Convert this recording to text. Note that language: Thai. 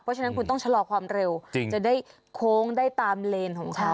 เพราะฉะนั้นคุณต้องชะลอความเร็วจะได้โค้งได้ตามเลนของเขา